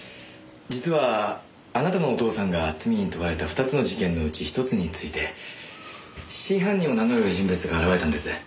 実はあなたのお父さんが罪に問われた２つの事件のうち１つについて真犯人を名乗る人物が現れたんです。